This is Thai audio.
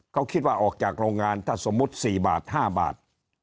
เขาคิดว่าออกจากโรงงานถ้าสมมุติ๔บาท๕บาท